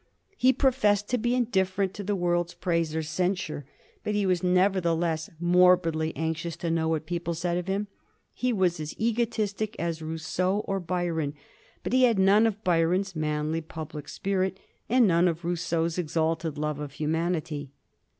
He professed to be indifferent to the world's praise or censure, but he was nevertheless morbidly anxious to know what people said of him. He was as egotistic as Rousseau or Byron; but he had none of Byron's manly public spirit, and none of Rousseau's exalted love of humanity.